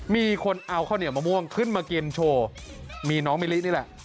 มีคนเอาข้าวเหนียวมะม่วงขึ้นมากินโชว์มีน้องมิลินี่แหละ